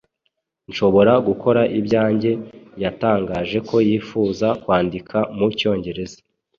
nshobora gukora ibyanjye . Yatangaje ko yifuza kwandika mu Cyongereza